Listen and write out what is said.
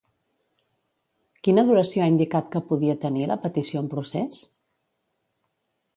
Quina duració ha indicat que podia tenir la petició en procés?